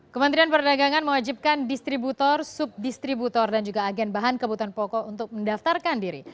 kementerian perdagangan mewajibkan distributor subdistributor dan juga agen bahan kebutuhan pokok untuk mendaftarkan diri